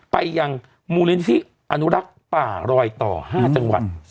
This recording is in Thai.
ไปยังมูลินที่อนุลักษณ์ป่ารอยต่อห้าจังหวัดอืม